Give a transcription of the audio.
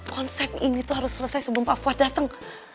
konsep ini harus selesai sebelum pak fuad datang